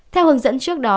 theo hướng dẫn trước đó